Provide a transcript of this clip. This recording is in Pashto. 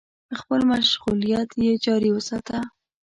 خپل مشغولیت يې جاري وساته.